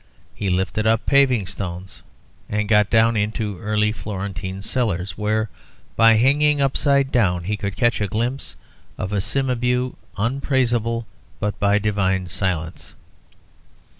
He lifted up paving stones and got down into early Florentine cellars, where, by hanging upside down, he could catch a glimpse of a Cimabue unpraisable but by divine silence.